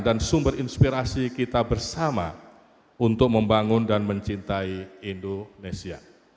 dan sumber inspirasi kita bersama untuk membangun dan mencintai indonesia